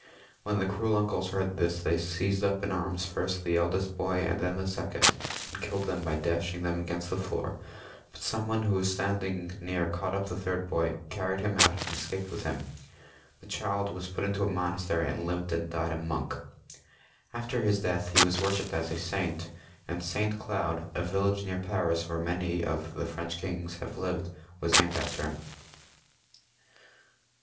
When the cruel uncles heard this, they seized up in their arms first the eldest boy and then the second, and kiUed them by dashing them against the floor, but some one who was standing near caught up the third boy, carried him out, and escaped with him. The child was put into a monas tery, and lived and died a monk. After his death he was worshipped as a saint, and St. Cloud, a village near Paris, where many of the French kings have lived, was named after him.